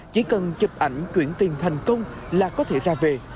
chỉ cần chụp ảnh chuyển tiền thành công là có thể ra về